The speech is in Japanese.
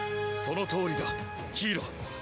そのとおりだヒイロ。